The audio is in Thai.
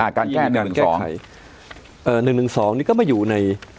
อ่าการแก้หนึ่งหนึ่งสองเอ่อหนึ่งหนึ่งสองนี่ก็มาอยู่ใน